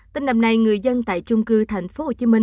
tên đầm này người dân tại trung cư thành phố hồ chí minh